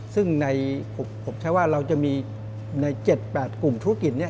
ซึ่งผมใช้ว่าเราจะมีใน๗๘กลุ่มธุรกิจนี้